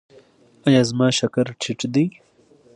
ایا زما شکر ټیټ دی؟